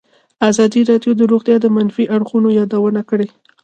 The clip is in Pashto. ازادي راډیو د روغتیا د منفي اړخونو یادونه کړې.